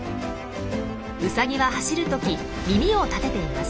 ウサギは走る時耳を立てています。